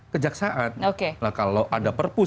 kejaksaan kalau ada perpuk